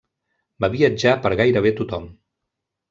Va viatjar per gairebé tothom.